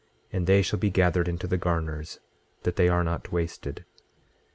And they shall be gathered into the garners, that they are not wasted.